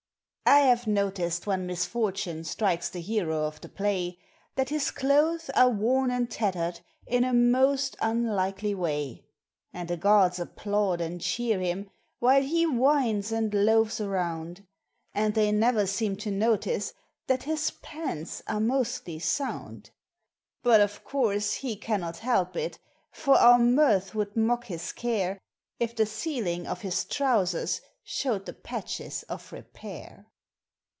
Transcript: I have noticed when misfortune strikes the hero of the play That his clothes are worn and tattered in a most unlikely way ; And the gods applaud and cheer him while he whines and loafs around, But they never seem to notice that his pants are mostly sound ; Yet, of course, he cannot help it, for our mirth would mock his care If the ceiling of his trousers showed the patches of repair.